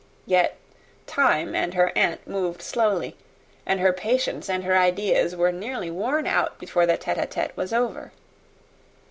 Yet time and her aunt moved slowly and her patience and her ideas were nearly worn out before the tête à tête was over.